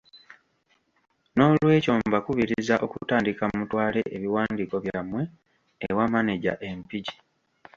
N’olw’ekyo mbakubiriza okutandika mutwale ebiwandiiko byammwe ewa maneja e Mpigi.